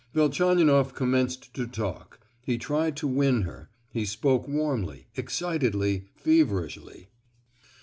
Velchaninoff commenced to talk: he tried to win her,—he spoke warmly—excitedly—feverishly.